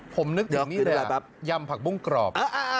ผมนึกถึงนี่เลยยำผักบุ้งกรอบ